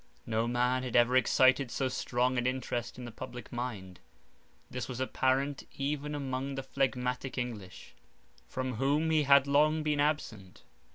No man had ever excited so strong an interest in the public mind; this was apparent even among the phlegmatic English, from whom he had long been absent.